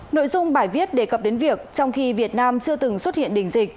nội dung bài viết đề cập đến việc trong khi việt nam chưa từng xuất hiện đỉnh dịch